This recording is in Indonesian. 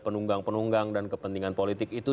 penunggang penunggang dan kepentingan politik itu